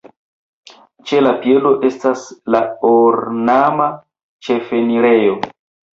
Ĉe la piedo estas la ornama ĉefenirejo.